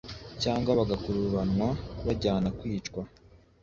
cyangwa bagakurubanwa bajyanwa kwicwa,